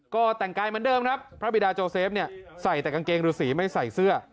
ก็แต่งกายเหมือนเดิมครับพระบิดาโจเซฟเนี่ยใส่แต่กางเกงฤษีไม่ใส่เสื้อ